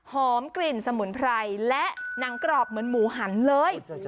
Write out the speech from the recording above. กลิ่นสมุนไพรและหนังกรอบเหมือนหมูหันเลย